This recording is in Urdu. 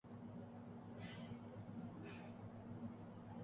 استالن نے اپنے عوامی تاثر اور شخصیت کو سنوارنے کی کافی کوشش کی۔